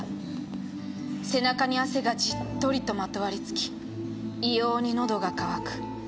「背中に汗がじっとりとまとわりつき異様にのどが渇く」